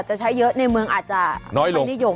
เจ้าหายมาบอร์ดทางนั้น